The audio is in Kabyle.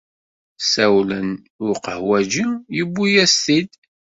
Ssawlen i uqehwaǧi yuwi-as-t-id.